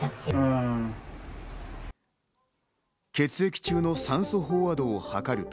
血液中の酸素飽和度を測ると。